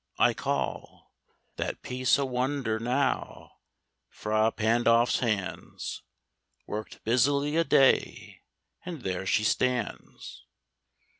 I call That piece a wonder, now: Fra Pandolf's hands Worked busily a day, and there she stands.